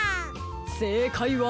せいかいは。